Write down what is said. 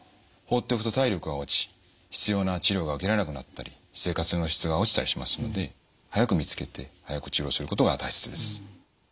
放っておくと体力が落ち必要な治療が受けられなくなったり生活の質が落ちたりしますので早く見つけて早く治療することが大切です。